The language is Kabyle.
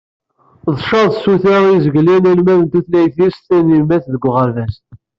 Tcaḍ tsuta i izeglen almad n tutlayt-is tanyemmat deg uɣerbaz.